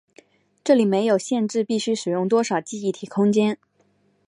这里没有限制必须使用多少记忆体空间。